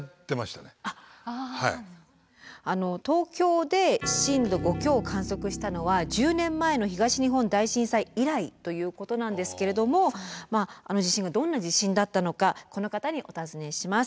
東京で震度５強を観測したのは１０年前の東日本大震災以来ということなんですけれどもあの地震がどんな地震だったのかこの方にお尋ねします。